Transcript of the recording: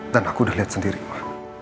dan aku udah lihat sendiri ma